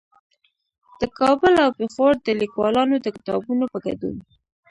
د کابل او پېښور د ليکوالانو د کتابونو په ګډون